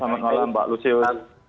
selamat malam mbak lusius